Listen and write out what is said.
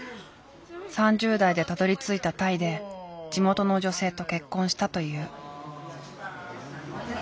３０代でたどりついたタイで地元の女性と結婚したという。